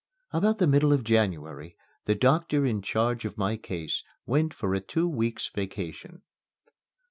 About the middle of January the doctor in charge of my case went for a two weeks' vacation.